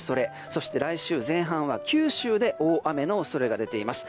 そして来週前半は九州で大雨の恐れが出ています。